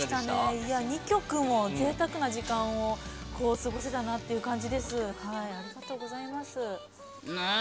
２曲もぜいたくな時間を過ごせたなっていう感じですね。